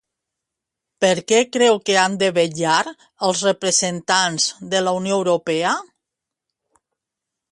Per què creu que han de vetllar els representants de la Unió Europea?